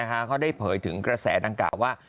เขาได้เผยถึงกระแสต่างกะว่า